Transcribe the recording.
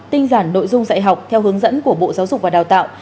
tinh giản nội dung dạy học theo hướng dẫn của bộ giáo dục và đào tạo